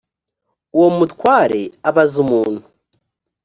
uwo mutware abaza umuntu